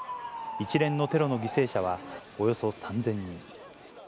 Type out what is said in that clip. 一連のテロの犠牲者はおよそ３０００人。